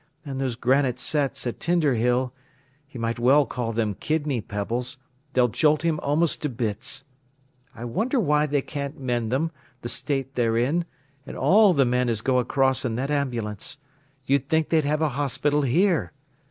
And those granite setts at Tinder Hill—he might well call them kidney pebbles—they'll jolt him almost to bits. I wonder why they can't mend them, the state they're in, an' all the men as go across in that ambulance. You'd think they'd have a hospital here.